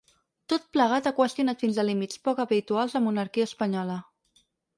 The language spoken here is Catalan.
Tot plegat ha qüestionat fins a límits poc habituals la monarquia espanyola.